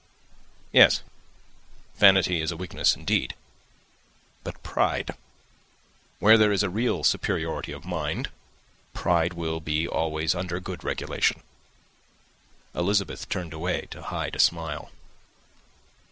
"Yes, vanity is a weakness indeed. But pride where there is a real superiority of mind pride will be always under good regulation." Elizabeth turned away to hide a smile.